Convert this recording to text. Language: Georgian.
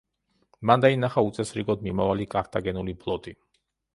მან დაინახა უწესრიგოდ მიმავალი კართაგენული ფლოტი.